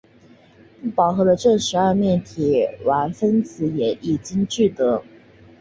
不饱和的正十二面体烷分子也已经制得。